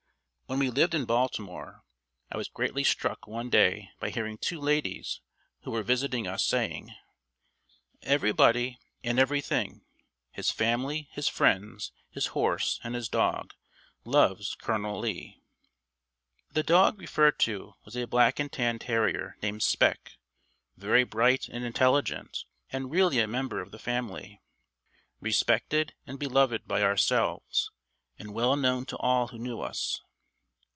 When we lived in Baltimore, I was greatly struck one day by hearing two ladies who were visiting us saying: "Everybody and everything his family, his friends, his horse, and his dog loves Colonel Lee." The dog referred to was a black and tan terrier named "Spec," very bright and intelligent and really a member of the family, respected and beloved by ourselves and well known to all who knew us.